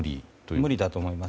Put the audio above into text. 無理だと思います。